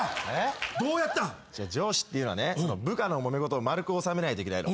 上司っていうのは部下のもめ事を丸く収めないといけないの。